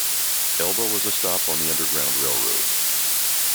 Elba was a stop on the Underground Railroad.